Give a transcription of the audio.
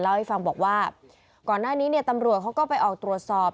เล่าให้ฟังบอกว่าก่อนหน้านี้เนี่ยตำรวจเขาก็ไปออกตรวจสอบ